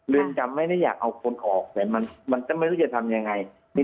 เรียนจำที่ไม่ได้อยากเอาโคตรออกแต่จะไม่รู้จะทำยังไง